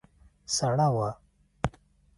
سړه وه.